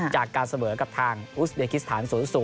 จากการเสมอกับทางอุสเบกิสถาน๐๐